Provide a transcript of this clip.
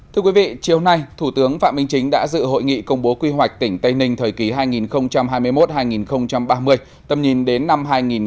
thưa quý vị chiều nay thủ tướng phạm minh chính đã dự hội nghị công bố quy hoạch tỉnh tây ninh thời kỳ hai nghìn hai mươi một hai nghìn ba mươi tầm nhìn đến năm hai nghìn năm mươi